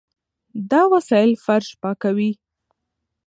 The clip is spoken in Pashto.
دا وسایل فرش پاکوي.